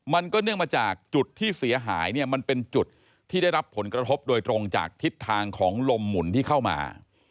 เนื่องมาจากจุดที่เสียหายเนี่ยมันเป็นจุดที่ได้รับผลกระทบโดยตรงจากทิศทางของลมหมุนที่เข้ามา